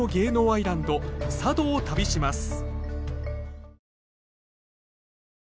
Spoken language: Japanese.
アイランド佐渡を旅します。